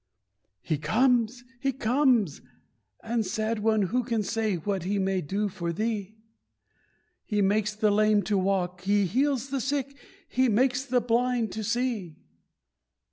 "He comes! He comes! And, sad one, who can say What He may do for thee? He makes the lame to walk! He heals the sick! He makes the blind to see!"